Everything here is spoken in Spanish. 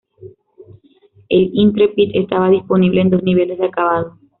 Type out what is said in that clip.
El Intrepid estaba disponible en dos niveles de acabado:.